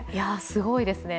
すごいですね。